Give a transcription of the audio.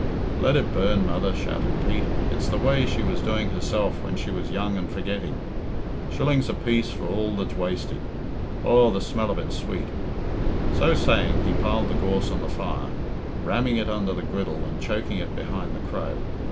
"Let it burn, mother," shouted Pete. "It's the way she was doing herself when she was young and forgetting. Shillings a piece for all that's wasted. Aw, the smell of it's sweet!" So saying he piled the gorse on the fire, ramming it under the griddle and choking it behind the crow.